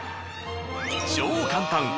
超簡単！